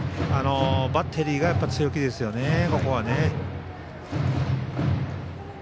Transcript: バッテリーが強気ですよね。